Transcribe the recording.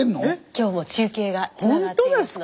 今日も中継がつながっていますので。